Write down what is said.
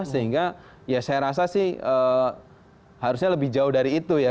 sehingga ya saya rasa sih harusnya lebih jauh dari itu ya